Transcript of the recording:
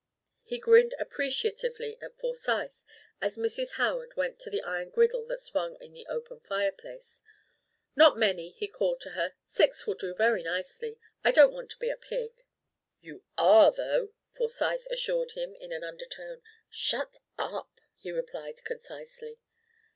He grinned appreciatively at Forsyth as Mrs. Howard went to the iron griddle that swung in the open fireplace. "Not many," he called to her, "six will do very nicely. I don't want to be a pig." "You are, though," Forsyth assured him in an undertone. "Shut up!" he replied concisely.